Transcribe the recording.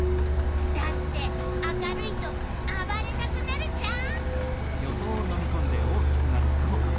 だって明るいとあばれたくなるじゃん。